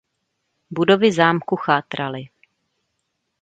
Budovy zámku chátraly.